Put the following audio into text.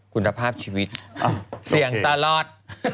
คุณภาพชีวิตเสี่ยงตลอด